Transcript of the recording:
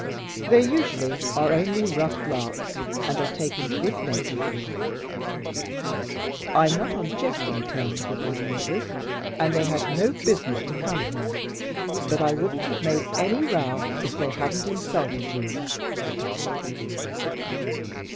They usually are only rough larks and are taken good naturedly. I'm not on jesting terms with my neighbors, and they had no business to come here, but I wouldn't have made any row if they hadn't insulted you."